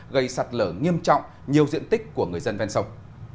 gây sạt lở nghiêm trọng nhiều diện tích của người dân ven sông